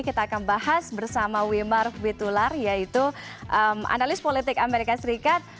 kita akan bahas bersama wimar witular yaitu analis politik amerika serikat